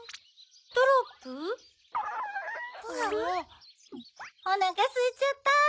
グゥおなかすいちゃった！